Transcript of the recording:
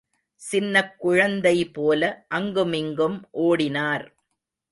சின்னக் குழந்தைபோல, அங்குமிங்கும் ஓடினார்.